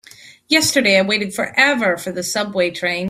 Yesterday I waited forever for the subway train.